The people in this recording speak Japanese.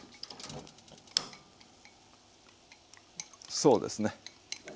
そうですね。